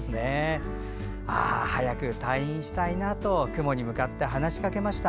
あー、早く退院したいなと雲に向かって話しかけました。